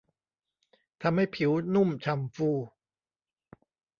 ทำให้ผิวนุ่มฉ่ำฟู